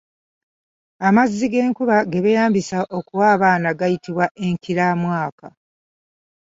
Amazzi g’enkuba ge beeyambisa okuwa abaana gayitibwa Enkiramwaka.